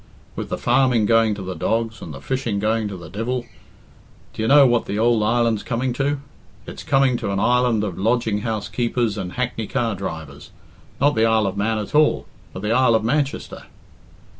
"With the farming going to the dogs and the fishing going to the divil, d'ye know what the ould island's coming to? It's coming to an island of lodging house keepers and hackney car drivers. Not the Isle of Man at all, but the Isle of Manchester."